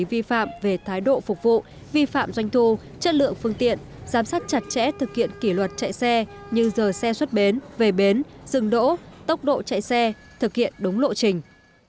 vi phạm doanh thu chất lượng phương tiện giám sát chặt chẽ thực hiện kỷ luật chạy xe như giờ xe xuất bến về bến dừng đỗ tốc độ chạy xe thực hiện đúng lộ trình